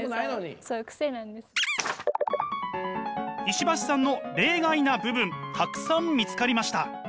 石橋さんの例外な部分たくさん見つかりました。